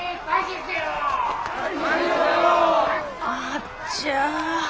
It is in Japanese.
あっちゃ。